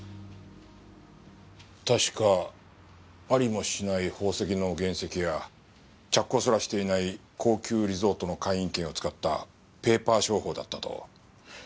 確かありもしない宝石の原石や着工すらしていない高級リゾートの会員権を使ったペーパー商法だったと。